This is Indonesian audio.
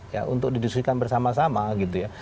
ya untuk didiskusikan bersama sama gitu ya